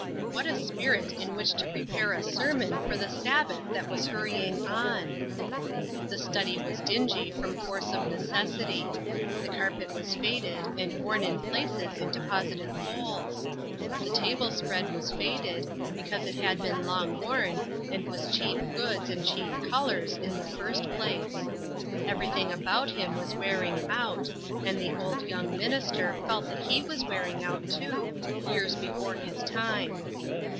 What a spirit in which to prepare a sermon for the Sabbath that was hurrying on ! The study was dingy from force of neces sity. The carpet was faded, and worn in places into positive holes ; the table spread was faded, because it had been long worn, and was cheap goods and cheap colors in the first place. Everything about him was wearing out, and the old young minister felt that he was wearing out, too, years before his time.